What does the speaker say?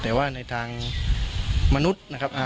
แต่ว่าในทางมนุษย์นะครับ